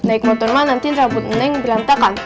naik motor mah nanti rambut neng berantakan